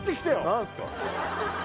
何すか？